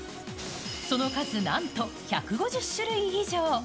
その数なんと１５０種類以上。